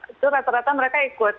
itu rata rata mereka ikut